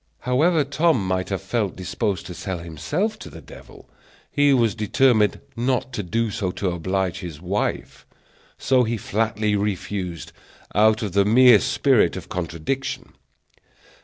However Tom might have felt disposed to sell himself to the devil, he was determined not to do so to oblige his wife; so he flatly refused, out of the mere spirit of contradiction.